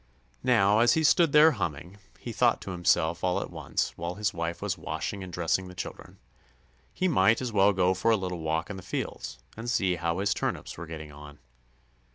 Now, as he stood there humming, he thought to himself all at once that, while his wife was washing and dressing the children, he might as well go for a little walk in the fields and see how his turnips were getting on.